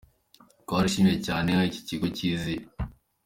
Twarishimye cyane aho iki kigo kiziye.